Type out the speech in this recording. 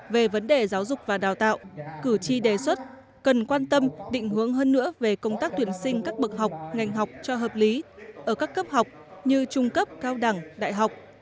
về vấn đề giáo dục và đào tạo cử tri đề xuất cần quan tâm định hướng hơn nữa về công tác tuyển sinh các bậc học ngành học cho hợp lý ở các cấp học như trung cấp cao đẳng đại học